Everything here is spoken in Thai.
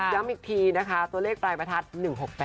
ย้ำอีกทีนะคะตัวเลขปลายประทัด๑๖๘